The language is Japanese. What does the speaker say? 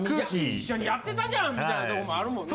一緒にやってたじゃんみたいなとこもあるもんな。